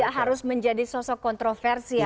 tidak harus menjadi sosok kontroversial ya